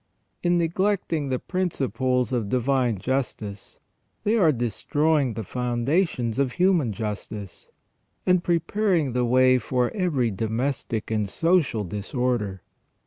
In neglecting the principles of divine justice they are destroying the foundations of human justice, and preparing the way for every domestic and social disorder.